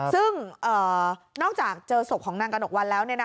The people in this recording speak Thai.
ซึ่งนอกจากเจอศพของนางกระหนกวันแล้ว